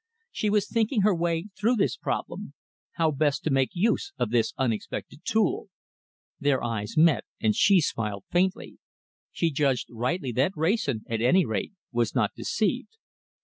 She was thinking her way through this problem how best to make use of this unexpected tool. Their eyes met and she smiled faintly. She judged rightly that Wrayson, at any rate, was not deceived.